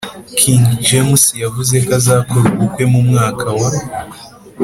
king james yavuzeko azakora ubukwera mu mwaka wa